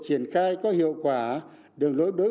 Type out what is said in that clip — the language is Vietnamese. triển khai có hiệu quả đường lối đối